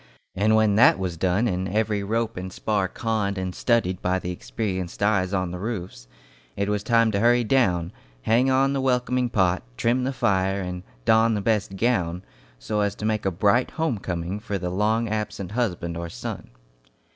And when that was done and every rope and spar conned and studied by the experienced eyes on the roofs, it was time to hurry down, hang on the welcoming pot, trim the fire and don the best gown, so as to make a bright home coming for the long absent husband or son.